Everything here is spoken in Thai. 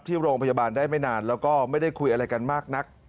ที่โรงพยาบาลได้ไม่นานแล้วก็ไม่ได้คุยอะไรกันมากนัก